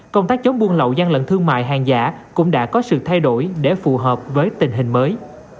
công tác chống buôn lậu gian lận thương mại hàng giả cũng đã có sự thay đổi để phù hợp với tình hình mới